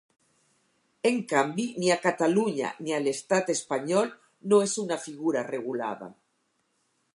En canvi, ni a Catalunya ni a l'estat espanyol no és una figura regulada.